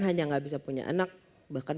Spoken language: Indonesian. hanya nggak bisa punya anak bahkan